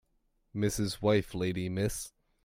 Mrs. wife lady Miss